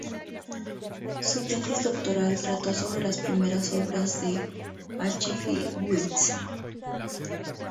Su tesis doctoral trató sobre las primeras obras de H. G. Wells.